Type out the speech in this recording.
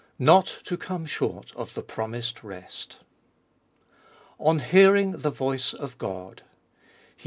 Not to come short of the promised Rest. XXII ON HEARING THE VOICE OF GOD. III.